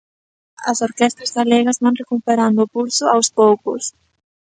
As orquestras galegas van recuperando o pulso aos poucos.